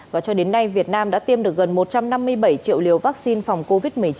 và cho đến nay việt nam đã tiêm được gần một trăm năm mươi bảy triệu liều vaccine phòng covid một mươi chín